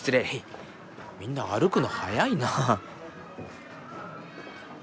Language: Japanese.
みんな歩くの速いな。